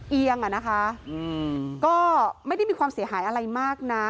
เอียงอ่ะนะคะก็ไม่ได้มีความเสียหายอะไรมากนะ